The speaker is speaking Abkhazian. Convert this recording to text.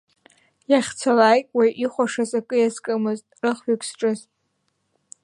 Иахьцалак уаҩ ихәашаз акы иазкымызт рых-ҩык зҿыз.